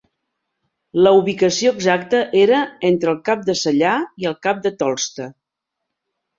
La ubicació exacta era entre el Cap de Cellar i el Cap de Tolsta.